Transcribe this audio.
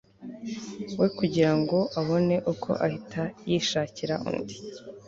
we kugira ngo abone uko ahita yishakira undi